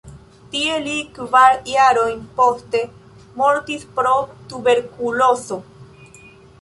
Tie li kvar jarojn poste mortis pro tuberkulozo.